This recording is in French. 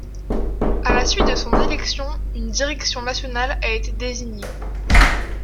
À la suite de son élection une direction nationale a été désignée.